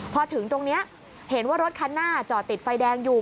พอถึงตรงนี้เห็นว่ารถคันหน้าจอดติดไฟแดงอยู่